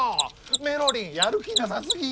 メロりんやる気なさすぎ！